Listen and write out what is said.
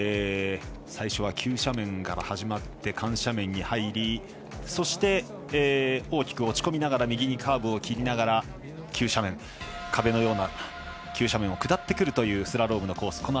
最初は急斜面から始まって緩斜面に入りそして、大きく落ち込みながら右にカーブを切りながら壁のような急斜面を下ってくるというスラロームのコース。